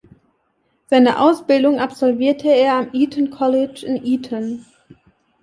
Seine Ausbildung absolvierte er am Eton College in Eton.